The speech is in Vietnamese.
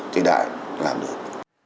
thì đại làm được